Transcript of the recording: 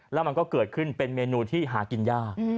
แล้วมันก็เกิดขึ้นเป็นเมนูที่หากินยาก